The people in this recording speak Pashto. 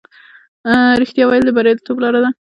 رښتیا ویل د بریالیتوب لاره ده.